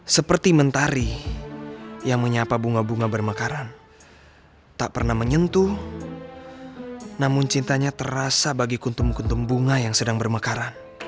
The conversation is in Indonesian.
seperti mentari yang menyapa bunga bunga bermekaran tak pernah menyentuh namun cintanya terasa bagi kuntum kuntum bunga yang sedang bermekaran